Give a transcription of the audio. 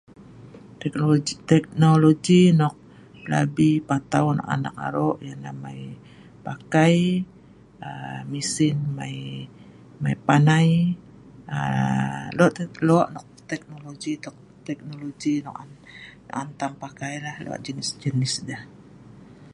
Teknologi nok pelabi atau nok an ek aro yah nah mai pakai mesin(ejin) mai panai. Lok laan tekonologi nok an tam parab pakai(mat),lok jenis(naan) deh an arai pakai(mat)